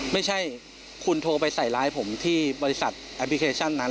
ไม่ใช่คุณโทรไปใส่ไลน์ผมที่บริษัทแอปพลิเคชันนั้น